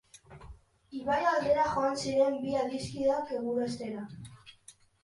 Ibai aldera joan ziren bi adiskideak egurastera.